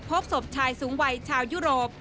พบศพชายสูงวัยชาวยุโรป